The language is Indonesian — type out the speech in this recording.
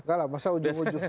enggak lah masa ujung ujung